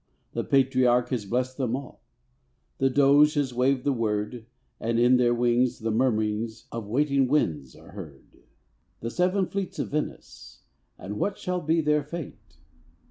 The Patriarch has blessed them all, The Doge has waved the word, And in their wings the murmurings Of waiting winds are heard. The seven fleets of Venice And what shall be their fate?